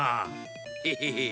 ヘヘヘッ。